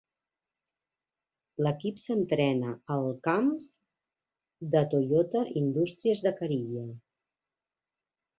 L'equip s'entrena al camps de Toyota Industries de Kariya.